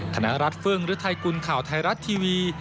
คณรัฐเฟิร์งหรือไทยกุลข่าวไทรัชทีวี